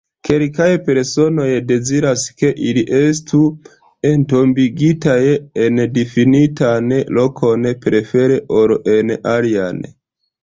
Kelkaj personoj deziras ke ili estu entombigitaj en difinitan lokon, prefere ol en alian.